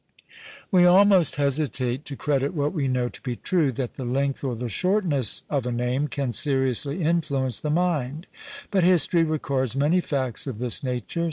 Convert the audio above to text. We almost hesitate to credit what we know to be true, that the length or the shortness of a name can seriously influence the mind. But history records many facts of this nature.